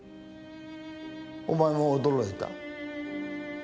お前も驚いた？